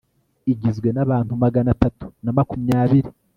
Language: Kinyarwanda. igizwe n'abantu magana atatu na makumyabiri